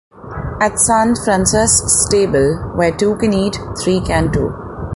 At Sant Francesc’s table, where two can eat, three can too.